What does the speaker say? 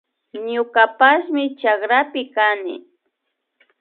Ñukapashmi chakrapi kani